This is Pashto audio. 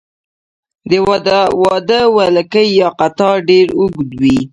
د واده ولکۍ یا قطار ډیر اوږد وي.